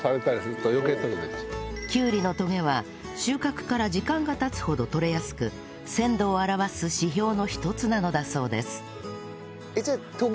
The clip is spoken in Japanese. きゅうりのとげは収穫から時間が経つほど取れやすく鮮度を表す指標の一つなのだそうです